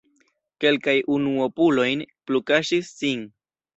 Kelkaj unuopuloj plu kaŝis sin.